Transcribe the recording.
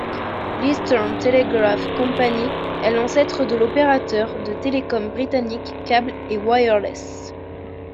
L’Eastern Telegraph Company est l’ancêtre de l’opérateur de télécoms britannique Cable & Wireless.